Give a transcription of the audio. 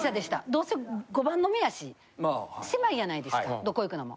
どうせ碁盤の目やし狭いやないですかどこ行くのも。